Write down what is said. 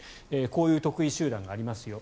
こういう特異集団がありますよ。